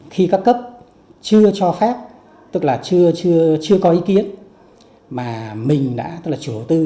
khi các cấp chưa cho phép tức là chưa có ý kiến mà mình đã tức là chủ tư